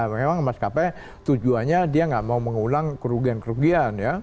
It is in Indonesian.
memang maskapai tujuannya dia nggak mau mengulang kerugian kerugian ya